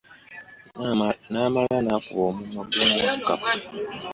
Naamala n'akuba omumwa gwa Wakkapa.